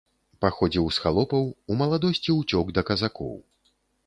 Паходзіў з халопаў, у маладосці ўцёк да казакоў.